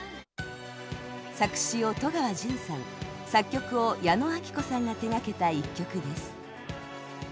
作詞を戸川純さん作曲を矢野顕子さんが手がけた一曲です。